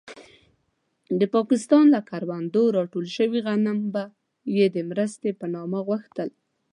د پاکستان له کروندو راټول شوي غنم به يې د مرستې په نامه غوښتل.